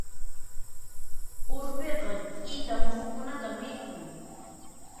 Urpiqa k'ita muhukunata mikhun.